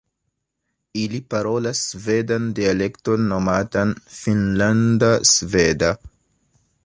Ili parolas svedan dialekton nomatan "finnlanda sveda".